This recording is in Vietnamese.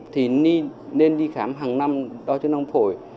thì nên đi khám hàng năm đo cho nông phổi